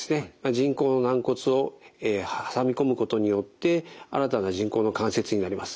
人工の軟骨を挟み込むことによって新たな人工の関節になります。